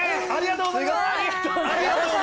ありがとうございます！